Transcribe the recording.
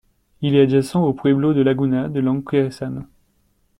Il est adjacent au pueblo de Laguna de langue Keresan.